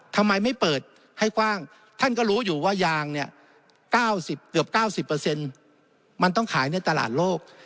ทำไมไม่เปิดให้กว้างท่านก็รู้อยู่ว่ายางเนี่ย๙๐เกือบ๙๐มันต้องขายในตลาดโลก